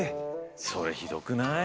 それひどくない？